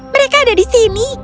mereka ada di sini